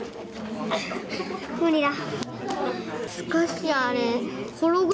無理だ。